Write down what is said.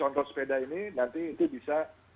contoh sepeda ini nanti itu bisa